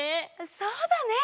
そうだね。